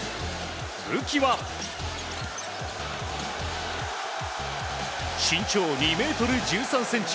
武器は身長２ｍ１３ｃｍ